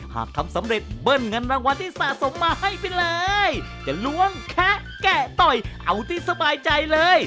หากทำสำเร็จเบิ้ลเงินรางวัลที่สะสมมาให้ไปเลยจะล้วงแคะแกะต่อยเอาที่สบายใจเลย